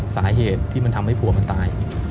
สาเหตุที่มันทำให้ผัวมันตาย